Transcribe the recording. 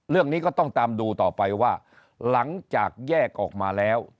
เรื่องนี้ก็ต้องตามดูต่อไปว่าหลังจากแยกออกมาแล้ว